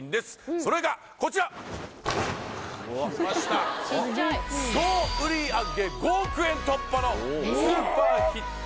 それがこちら総売上５億円突破のスーパーヒット